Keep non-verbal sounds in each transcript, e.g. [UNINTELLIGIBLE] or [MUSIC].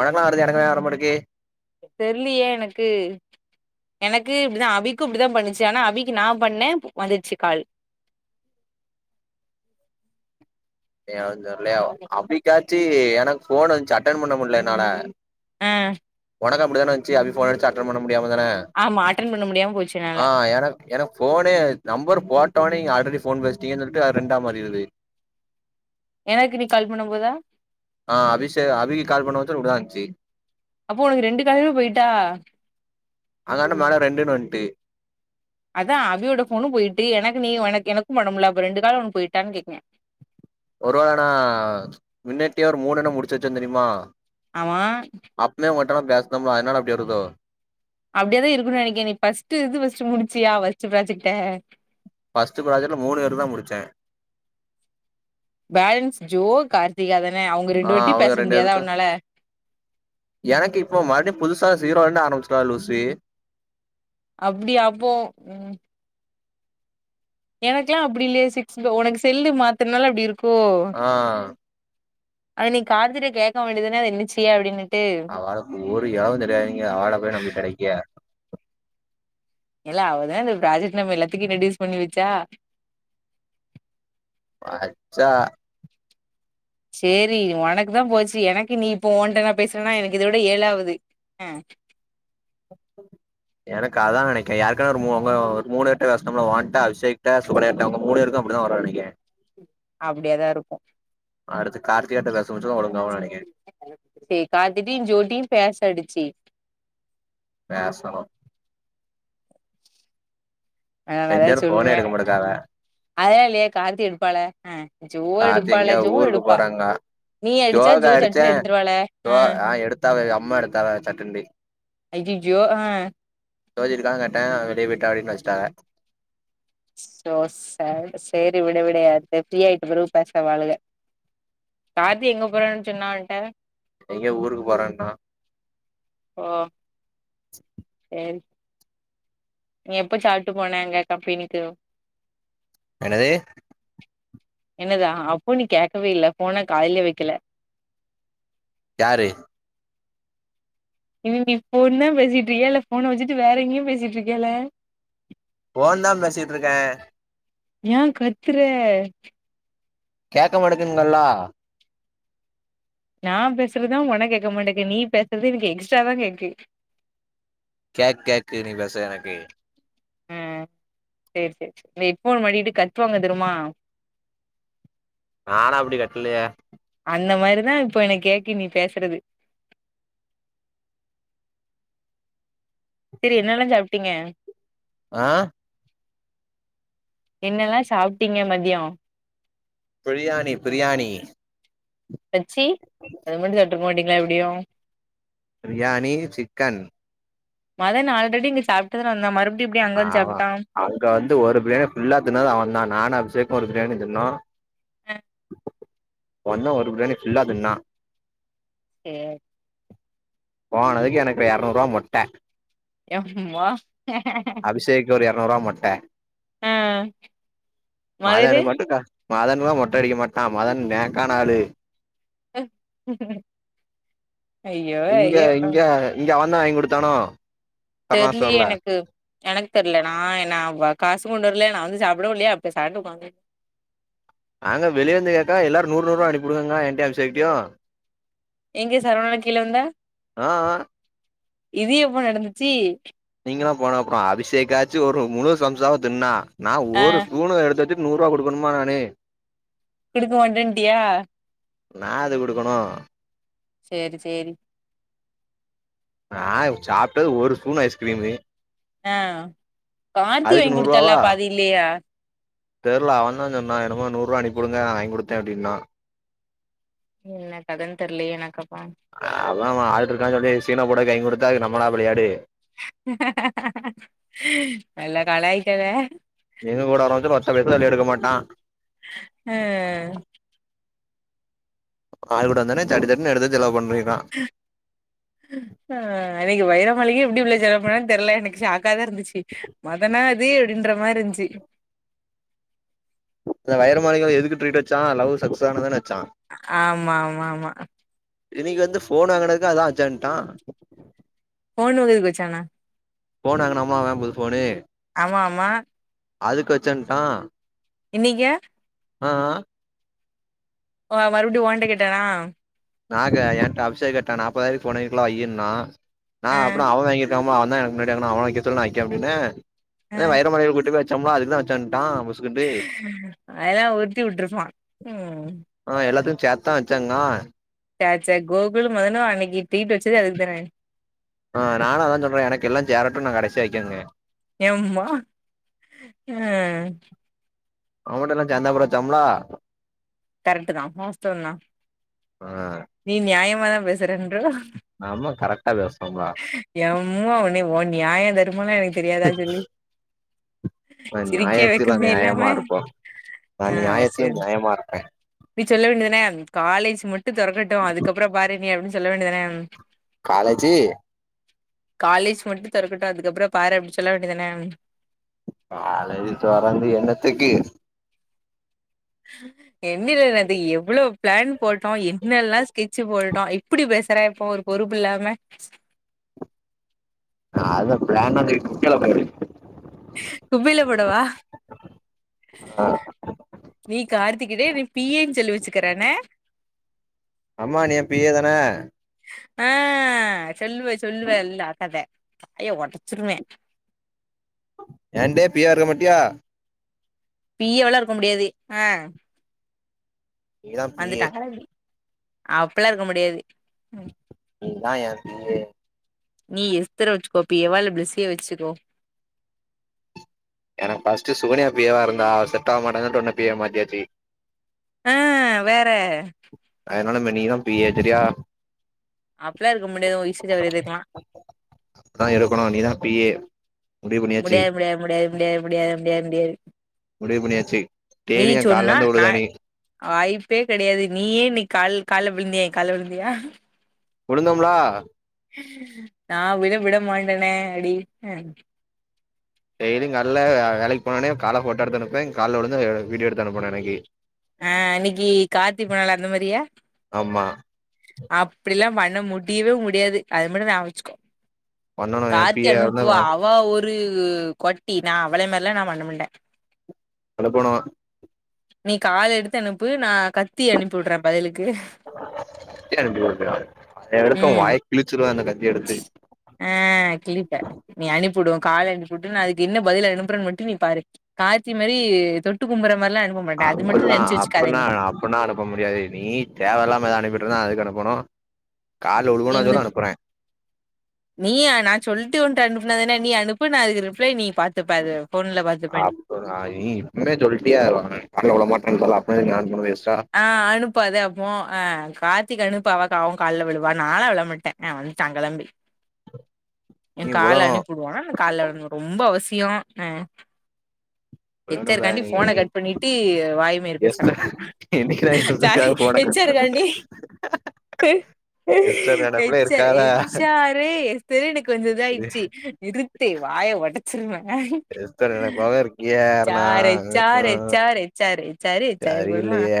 உனக்கலா வருது இ எனக்கே வரமாடிங்கி தெரிலியே எனக்கு எனக்கு இப்டிதா அபிக்கு இப்டிதா பண்ணுச்சு ஆனா அபிக்கு நா பண்ணே வந்துடுச்சு கால் ஏ உ தெரிலயா அபி காச்சி எனக்கு ஃபோன் வச்சு அட்டன் பண்ண முடியல என்னால ஆ உனக்கு அப்டிதானே வச்சு அபி ஃபோன் ஆடிச்சா அட்டன் பண்ண முடியாமா தானே ஆமா அட்டன் பண்ண முடியாம போச்சு என்னால எனக் எனக்கு ஃபோனே நம்பர் போட்டோனே நீங்க ஆல்ரெடி ஃபோன் பேசிட்டீங்கன்னு சொல்லிட்டு ரெண்டா மாரி இருது எனக்கு நீ கால் பண்ணு போதா ஆ அபிஷே அபிக்கு கால் பண்ண வச்ச இப்டிதா வஞ்சி அப்போ உனக்கு ரெண்டு காலுமே போயிட்டா அதுனால மேலே ரெண்டுன்னு வன்ட்டு அதா அபியோட ஃபோனு போயிட்டு எனக்கு நீ எனக்கு எனக்கு பண்ண முடில அப்ப ரெண்டு கால் ஒனகு போயிட்டா கேக்குறே ஒருவேல நா முன்னாட்டியா ஒரு மூணுெண்ண முடிச்ச வச்சே தெரியுமா ஆமா அப்பே மட்டு பேசனோலா அதுனால அப்டி வருதோ அப்டிய தா இருக்கு நினைக்கன நீ ஃபர்ஸ்ட் இது ஃபர்ஸ்ட் முடிச்சியா ஃபர்ஸ்டு ஃப்ராஜெக்ட்ட ஃபர்ஸ்டு ஃப்ராஜக்ட்ல மூணு பேரு தா முடிசே பேலன்ஸ் ஜோ கார்த்திகா தானே அவுங்க ஆ ரெண்டு பேர்டயு அவுங்க பேச ரெண்டு முடியாதா பேருக்கு உன்னால எனக்கு இப்ப மறுபடியு புதுசா சீரோ வந்து ஆரம்பச்சிடலா லூசி அப்டியா அப்போ ம் எனக்கொல்லா அப்டி இல்லையே சிக்ஸ் உனக்கு செல்லு மாத்தனனால அப்டி இருக்கோ ஆ அது நீ காத்திட்ட கேட்க வேண்டியது தானே இது என்ன செய்ய அப்டின்னு அவளுக்கு ஒரு இழவு தெரியாதீங்க அவள போய் நம்பி கடைக்கே இல்ல அவதா இந்த ப்ராஜெட் நம்ம எல்லாத்துக்கு ரெடியூஸ் பண்ணி வச்சா வச்சா சேரி உனக்கு தா போச்சு எனக்கு நீ இப்ப ஒ ஓன்ட நா பேசுறன்னா எனக்கு இத விட ஏழாவது ஆ எனக்கு அதா நெனைக்கே யாருக்காவது ஒரு முணு ஒரு முணு task one task eight task [UNINTELLIGIBLE] உங்க மூணு பேருக்கு அப்டிதா வருன் நெனைக்குற அப்டியாதா இருக்கு அடுத்து கார்த்திகாட்ட பேசம் வச்சுதா ஒழுங்காவுனு நைக்குற சேரி பாத்துட்டு ஜோட்டியு பேசாடிச்சு பேசணு நானு ரெண்டு எதாச்சு பேரு ஃபோனே சொல்லுவே எடுக்க மாட்டக்காவ அதல்லா இல்லயே கார்த்தி இருப்பானே ம் ஜோ கார்த்தி எடுப்பாலே எங்கயோ ஜோ ஊருக்கு எடுப்பா போறாங்க நீ அடுச்சா ஜோக்கு ஜோ அடிச்சே சட்டுனு எடுத்துருவாளே ஜோ ஆ எடுத்தாவ அம்மா எடுத்தாவ சட்டுன்டி அய்ய ஜோ ஆ ஜோதி இருக்கான் கேட்டே வெளிய போய்டா அப்டின் வஸ்ட்டாக சோ சேட் சேரி விடு விடு அது திருப்தியாய்டு ப்ரு பேச வாழுக கார்த்தி எங்க போறேன்னு சொன்னா ஒன்ட்ட எங்கயோ ஊருக்கு போறேன்னா ஓ சேரி நீ எப்ப சாப்ட்டு போன அங்க கம்பெனிக்கு என்னது என்னதா அப்போ நீ கேக்கவே இல்ல ஃபோன காதுலயே வக்கல யாரு இவிங்க ஃபோன்தா பேசிட்டு இருக்கியா இல்ல ஃபோன வச்சுட்டு வேற எங்கயு பேசிட் இருக்கியால ஃபோன்தா பேசிட்ருக்கே ஏ கத்துர கேக்க மாட்டிக்குங்கல்ல நா பேசுறதா ஒனக்கு கேக்க மாட்டுக்கு நீ பேசுறது எனக் எக்ஸ்ட்ராவா கேக்கு கேக் கேக்கு நீ பேச எனக்கு அ சேர் சேர் இந்த ஹெட்ஃபோன மாட்டிட்டு கத்துவாங்க தெருமா நாலா அப்டி கத்தலயே அந்த மாரிதா இப்போ எனக் கேக்கு நீ பேசுறது சேரி என்னால்லா சாப்டீங்க ஆ என்னல்லா சாப்டீங்க மதியோ பிரியாணி பிரியாணி அச்சி அது மட்டு சாப்ருக்க மாட்டீங்ளா எப்டியு பிரியாணி சிக்கன் மதன் ஆல்ரெடி இங்க சாப்ட்டு தான வந்தா மறு ஆமா அங்க வந்து ஒரு பிரியாணி ஃபுல்லா தின்னது அவன்தா நானு அபிஷேக்கு ஒரு பிரியாணி தின்னோ ஆ ஒண்ணா ஒரு பிரியாணி ஃபுல்லா தின்னா சேர் போனதுக்கு எனக்கு எறநூறுவா மொட்ட எம்மா அபிசேக்கு ஒரு எரநூறுவா மொட்ட ஆ மதுரு மதனுக்கு மட்டு கா மதன்லா மொட்ட அடிக்க மாட்டா மதன் நேக்கான ஆளு ஐயோ இங்க ஐயோ இங்க இங்க அவன்தா வாங்கி குடுத்தானோ கருணா தெர்லயே ஸ்டோர்ல எனக்கு எனக்கு தெர்ல நா என்னா காசு கொண்டுவர்லயா நா வந்து சாப்டவு இல்லயா பேசாட்டுக்கு உக்காந்து அங்க வெளிய வந்துகேட்டா எல்லாரு நூர் நூறுவா அனுப்பி உடுங்கங்கா என்ட்டயு அபிஷேக்டயு எங்க சரவணா கீழ விழ்ந்த ஆ ஆ இது எப்ப நடந்துச்சு நீங்கல்லா போன அப்றோ அபிஷேக்காச்சு ஒரு முழு சம்சாவ தின்னா நா ஆ ஒரு ஸ்பூனு எடுத்துட்டு நூறுவா குடுக்கணுமா நானு குடுக்க மாட்டேன்ட்டியா நா எதுக் குடுக்கணு சேரி சேரி நா சாப்ட்டது ஒரு ஸ்பூன் ஐஸ்கிரீம் தா ஆ கார்த்தி அதுக்கு வாங்கி குடுத்தல்லா நூறுவாவா அப்போ அது இல்லையா தெர்ல அவன்தா சொன்னா என்னமோ நூறுவா அனுப்பிடுங்க நா வாங்கி குடுத்தே அப்டின்னா என்ன கதன் தெர்லயே எனக்கப்போ அவ அவ ஆள் இருக்கான்னு சொல்லி சீன போடக்கு வாங்கி குடுத்தா அதுக்கு நம்மளா பழியாடு ஹ நல்லா கலாய்க்காத எங்க கூட வரச்சுத்த ஒத்த வக்கீலு வெளிய எடுக்க மாட்டா ஆ ஆள்கூட வந்தானே சட்டு சட்டுனு எடுத்து செலவு பண்ணிர்க்கா [INAUDIBLE] ஆ அன்னைக்கு வைரமலைிகையு எப்படி உள்ள ஜலம்ண்னு தெரல எனக்கு சாக்காதா இருந்துச்சு மதனா அது அப்படின்ற மாரிருந்துச்சு அந்த வைர மாளிகைள எதுக்கு ட்ரீட் வச்சா லவ் சக்சஸ் ஆனதான வச்சா ஆமா ஆமா ஆமா இன்னைக்கு வந்து போன் வாங்கினதுக்கு அதா அர்ஜென்ட்டா ஓனர் எதுக்கு வச்சாங்க போன்ங்கினமா வேம்புது போனு ஆமா ஆமா அதுக்கு வச்சன்ட்டா இனனைங்க ஆ ஆ மறுபடியு ஓன்ட கேட்டானா நா க என்க அபஷே கேட்டா நாற்பதாயிரக்கு போனலா ஐயனா நா ஆ அப்பற அவ வாங்கி ஆமா அவன்தா எனக்கு முன்னாடி எறங்குனா அவ வைக்க சொல்லு நா வைக்கிறே அப்பின்னே ஆ எ வைர மலை கூட்டு போய் சம்பா அதுக்குதா வச்சண்ட்டா அதல்லா உத்தி விட்டுருப்பா ம் ஆ எல்லாத்தையு சேத்தா வச்சாங்கா ச ச கோகுலு மதனு அன்னைக்கு டீட்டு வச்சதே அதுக்கு தானே ஆ நானா அதா சொல்றே எனக்கு எல்லா சேரட்டு நாங் கடைசியா வைக்கேங்க எம்மா ஆ அவமட்டல்லா சந்தாபும்ச்சம்லா கரெக்ட்டுதா வாஸ்தவந்தா ஆ நீ நியாயமாதா பேசுறன்றவ நம்மா கரெக்ட்டா [UNINTELLIGIBLE] எம்முனே ஓ நியாய தர்மலா எனக்கு தெரியாதா சொல்லு நா சிரிக்க நியாயத்துல வைக்கமே இல்லாம நியாயமா சரி மா இருப்பே நீ சொல்ல வேண்டியதனே காலேஜ் மட்டி தொறக்கட்டு அதுக்கப்பற பாரு நீ அப்படின்னு சொல்ல வேண்டியதானே காலேஜ்ஜி காலேஜ் மட்டு தெறக்கட்டு அதுக்கப்பறோ பாரு அப்படி சொல்ல வேண்டியதுதான காலேஜ் தொறந்து எண்ணத்துக்கு என்னில அது எவ்ளோ ப்ளேன் போட்டோ என்னெல்லா ஸ்கெட்ச்சு போட்டோ இப்புடி பேசற இப்ப ஒரு பொறுப்பு இல்லாம அத ப்ளான் [UNINTELLIGIBLE] குப்பைல போடு குப்பைல போடவா ஆ நீ கார்த்திகிட்ட நீ பி ஏன்னு சொல்லி வெச்சுக்கற என்ன அம்மா நீ ஏ பி எ தான அ சொல்லுவ சொல்லுவ எல் ஆட்டாத வாய ஒடச்சிருவே ஏன்டே பியா இருக்கமாட்டியா பியோ லா இருக்க முடியாது அ நீதா பி ஏ வந்துட்டா கழவி அப்பல்லா இருக்க முடியாது நீ தா ஏ பி எ நீ எஸ்த்தர வெச்சுக்கோ பி எவா இல்ல பிளஸ்ஸிய வச்சுக்கோ எனக்கு ஃபஸ்ட்டு சுகன்யா பி எ வா இருந்தா அவ செட்ட ஆவ மாட்டாங்கன்ட்டு உன்ன பி எ வா மாத்தியாச்சி அ வேற அதனால இனிமே நீதா பி எ செரியா அப்பல்லா இருக்க முடியாது உ [UNINTELLIGIBLE] இதுக்குலா கா இருக்கணு நீதா பி எ முடிவு பண்ணியாச்சி முடியாது முடியாது முடியாது முடியாது முடியாது முடியாது முடிவு பண்ணியாச்சு நீ டெய்லி எ கால்ல சொன்னா வந்து நா உளுகர நீ வாய்ப்பே கெடையாது நீயே இன்னிக் கால் கால்ல விழுந்தியா ஏ கால்ல விழுந்தியா விழுந்தோம்லா நா விட விட மாட்டனே அடி டெய்லி கால்ல வே வேலைக்கு போனோனே கால போட்டோ எடுத்து அனுப்புவே கால்ல உழுந்து வீடியோ எடுத்து அனுப்பனு எனக்கு ஆ இன்னிக்கி கார்த்தி போனாலே அந்த மாரியா ஆமா அப்டில்லா பண்ண முடியவே முடியாது அது மட்டும் ஞாயாபகோ வச்சுக்கோ பண்ணணு எ பி கார்த்தி ஏ இருந்து அனுப்புவா அவா ஒரு கொட்டி நா அவலை மார்லா நா பண்ணமாட்ட அல கோனோ நீ கால் எடுத்து அனுப்பு நா கத்தி அனுப்பியுடற பதிலுக்கு கத்தி அனுப்பியுடறயா அத எடுத்து ஊ ம் வாய கிளிச்சிருவ அந்த கத்தி எடுத்து ஆ கிழிப்ப நீ அனுப்பியூட்டு உ கால அனுப்பியூட்டு நா அதுக்க்கு என்ன பதில் அனுப்பறன்னு மட்டு நீ பாரு கார்த்தி மாரி தொட்டு கும்பர்ற மார்லா அனுப்பம் அப்பட்லா அப்புன்னா அப்புன்னா அனுப்ப முடியாது நீ தேவயில்லாம எதா அனுப்பிட்ருந்தா அதுக்கு அனுப்பணு கால்ல [UNINTELLIGIBLE] சொல்லு என்ன அனுப்பற நீ யா நா சொல்ட்டு உன்ட்ட அனுப்புனதான நீ அனுப்பு நா அதுக்கு ரிப்ளை நீ பாத்துப்ப அது போன்ல பாத்துப்ப நீ [UNINTELLIGIBLE] உண்மைய சொல்ட்டியா [UNINTELLIGIBLE] ஆ அனுப்பாது அப்பவு அ கார்த்திக்கு அனுப்பு அவ அவ கால்ல விழுவா நா லா விள மாட்டே அ வன்ட்டா கெளம்பி எ நீ கால உழணு அனுப்பிவுடுவான்னா நா கால்ல [UNINTELLIGIBLE] ரொம்ப அவசியோ அ உழணு எஸ்தருகாண்டி போன பரணி கட் பண்ணீட்டு வாய் மயிறு பேசுறா எஸ்டர் என்னைக்குடா சாரி எஸ்டருக்காக ஃபோன கட் எச்சருக்கண்டி எஸ்டர் நெனப்புல எச்சரு இருக்காதா எச் சாரு எஸ்தர் எனக்கு கொஞ்சோ இது இதாயிடுச்சி நிறுத்து வாய ஒடச்சிருவ எஸ்டர் நெனப்பாவே இருக்கியே H Aruna R H R H R H R H R சரி போதுமா இல்லையே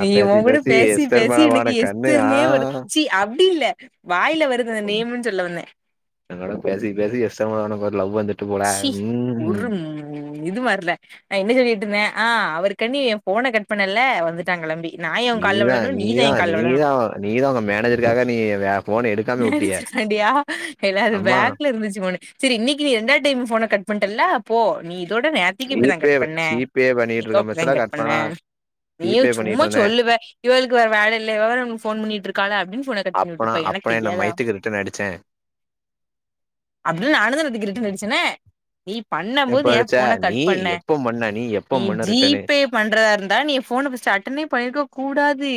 நீ உன் கூட பேசி எஸ்டர் பேசி மேல வான எனக்கு கண்ணு ஆ எஸ்தர்னுனே வரு சி அப்டி இல்ல வாயில வருது அந் நேமுன்னு சொல்ல வந்தே எயா கூட பேசி பேசி எஸ்தர் உனக்கு லவ் வந்துட்டு போல சி ம் ம் ஒரு ம் இது வர்ல நா என்ன சொல்லிட்டு இருந்தே ஆ அவரு கான்டி என் ஃபோனை கட் பண்ணல வந்து டா கெளம்பி நா ஏ உ கால்ல நீதா விழனு நீதா எயா கால்ல விழனு நீதா நீதா உங்க மேனேஜருக்காக நீ ஃபோன எடுக்காம உட்டியே லேடிஸ்க்கு வேண்டியா எல்லாரு அம்மா பேக்ல இருந்துச்சி ஃபோனு சேரி இன்னைக்கி நீ ரெண்டாது டைம் ஃபோன கட் பண்ணடல்ல போ நீ இதோட நேத் நேத்திக்கி இப்டிதா ஜிபே கட் பண்ண ஜிபே பண்ணிட்டு இன்னிக்கோ இருக்க அப்டிதா பச்சல கட் பண்ண பண்ணா நீயு ஜிபே சும்மா பண்ணிட்டு இருந்தே சொல்லுவ இவளுக்கு வேற வேல இல்ல இவே வேற நமக் ஃபோன் பண்ணிட்டு இருக்கா அப்டின் ஃபோன கட் பண்ணி அப்பனா உட்டுருப்ப எனக்கு அப்பனா என்ன தெரியதா மயத்துக்கு ரிட்டன் அடிச்சே அப்டின்னு நானு தானே அந்த கீறுக்கிட்ட நடிச்சேனே நீ பண்ணு எப்ப போது ஏ அடிச்ச ஃபோன நீ கட் பண்ண எப்ப பண்ண நீ எப்ப பண்ண ஜி ரிட்டனு பே கட் பண்றதா இருந்தா நீ ஃபோன ஃபர்ஸ்ட் அட்டனே பண்ணிருக்க கூடாது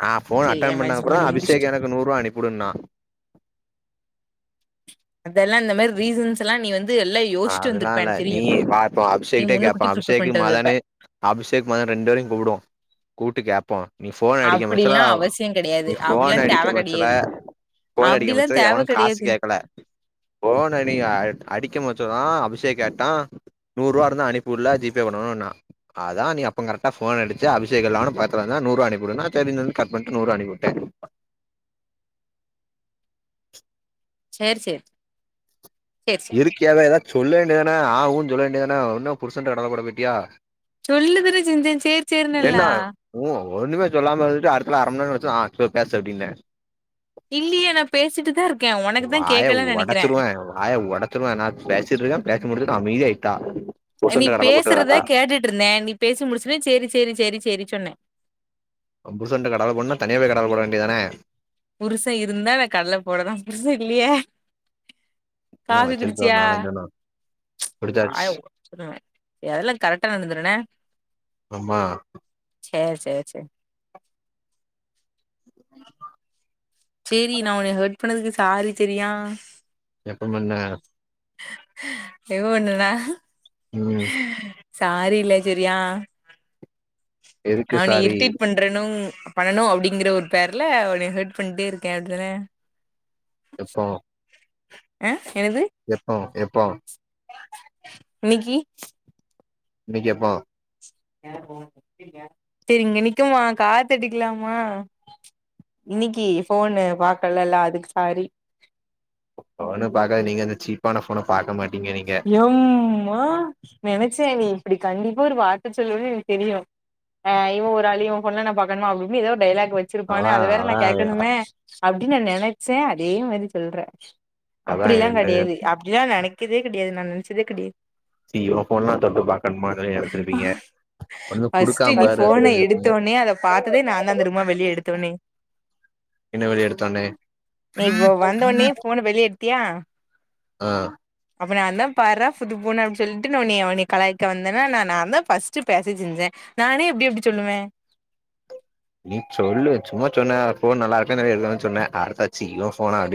நா ஃபோன் சரி அட்டன் பண்ணா ஏமாஜி கூடதா பண்ணி முடிச்சுட்டு அபிஷேக் எனக்கு நுர் ரூபா அனுப்பி உடு அப்டின்னா அதெல்லா இந்த மாரி ரீசன்ஸ் எல்லா நீ வந்து எல்லா அதெல்லா இல்ல நீ பாப்போ அபிஷேக் நீ கிட்ட கேட்பா முன்னுக்கூட்டி ப்ரிப்பேர் அபிஷேக்கு பண்ணிட்டு வந்திருப்ப மதனு அபிஷேக் மதனு ரெண்டு பேரையு கூப்புடுவோ கூப்புட்டு கேப்போ நீ ஃபோன் அடிக்க மச்சல அப்டில்லா அவசியோ கெடையாது நீ அப்டில்லா ஃபோன் அடிக்க தேவ மச்சல கெடையாது ஃபோன் அடிக்கு அப்டில்லா மச்சல தேவ எவனு காசு கெடையாது கேக்கல ஃபோன் அடி அடிக்க போது துதா அபிஷேக் கேட்டா நூறு ரூபா இருந்தா அனுப்பி உடுல ஜி பே பண்ணனும்னா அதா நீ அப்ப கரெக்டா ஃபோன் அடிச்ச அபிஷேக் நானு பாத்தனாலதா நூறு ரூபா அனுப்பி உடுன்னா சேரி நா கட் பண்ணிட்டு நூறு ரூபா அனுப்பிவுட்ட சேர் சேரி சேரி சேரி நம்பிக்கையா ஏதா சொல்ல வேண்டியதானே ஆ ஊன்னு சொல்ல வேண்டிய தானே என்ன புருஷன் கிட்ட கடலபோட போய்டியா சொல்லு தானே செஞ்சே சேரி சேரி இன்னல்லா உ ஒன்னுமே சொல்லாம இருந்துட்டு அடுத்தால அறமணி நேரோ கழிச்சி ஆ இப்ப பேசு அப்டின்ன இல்லியே நா பேசிட்டு தா இருக்க உனக்கு தா வாய கேக்கல நெனைக்கிறே ஒடச்சிருவே வாய ஒடச்சிருவே நா பேசிட்டிருக்க பேசி முடிச்சிது அமைதியா ஆயிட்டா நீ பேசுறத கேட்டுட்டு இருந்தே நீ பேசி முடிச்ச ஒன்னே சேரி சேரி சேரி சேரி சொன்னே ஓ புருசன்ட கடலபோட்னோனா தனியாபோய் கடல போட வேண்டிய தானே புருச இருந்தா நா கடல போடலா புருச இல்லையே ஏ காஃபி வச்சிருக்க ஒரு குடிச்சியா நாலஞ்செண்ணோ புடிச்சாச்சு வாய ஒடச்சிருவே இதெல்லா கரெக்டா நடந்துரு என்ன ஆமா சேர் சேர் சேர் சேரி நா உன்ன ஹெர்ட் பண்ணதுக்கு சாரி செரியா எப்போ பண்ண எப்ப பண்ணுன ம் சாரிலே செரியா எதுக்கு நா உன்ன சாரி இருட்டேட் பண் பிரனோவ் பண்ணனு அப்டிங்கற ஒரு பேர்ல உன்னைய ஹார்ட் பண்ட்டே இருக்கே அப்டிதானே எப்போ ஆ என்னது எப்போ எப்போ இன்னைக்கி இன்னைக்கு எப்போ செரிங்க நிக்குமா காத்தடிக்கலாமா இன்னைக்கு போனு பாக்கலல்ல அதுக்கு சாரி ஃபோணு பாக்க நீங்க அந்த சீப்பான ஃபோனை பாக்க மாட்டீங்க நீங்க எம்மா நெனைச்சேன் நீ இப்டி கண்டிப்பா ஒரு வார்த்தை சொல்லுவென்னு எனக்கு தெரியும் ஆ இவன் ஆள் இவ ஃபோணலா நான் பாக்கணுமா அப்டின்னு ஏதோ டைலாக் வெச்சிருப்பானனு அதா அது வேற அதா நான் கேட்கணமே அப்டின்னு நான் நெனைச்சேன் அதே மாதரி சொல்றே அதா அப்டிலாம் கிடையாது அ ஏ நெனக்கே கடயாது நான் நெனச்சதே கடையாது சீ இவன் போன்லாம் தொட்டு பா்க்கணுமானு நெனச்சிருப்பீங்க ஒன்னு ஃபர்ஸ்ட் குடுக்காம நீ பாரு அப்டின்னு போன சொல்லிருப்பீங்க எடுத்தோடனே அத பாத்ததே நான் தான் தெருமா வெளிய எடுத்தோடனே என்ன வெளிய எடுத்தோனே நீ இப்ப வந்தோனே ஃபோனை வெளியே எடுத்தியா ஆ அப்ப நான் தான் பாற்ற புதுஃபோன்னு அப்டினு சொல்லிட்டு நா உனை கலாயக்க வந்தேன்னா நா ஃபர்ஸ்ட் பேச செஞ்சேன் நானே எப்டி அப்டி சொல்லுவேன் நீ சொல்லு சும்மா சொன்ன ஃபோன் நல்லா இருக்க நெறைய இருக்கு சொன்னன் அடுத்தாச்சு இவன் ஃபோனா அப்டின்னு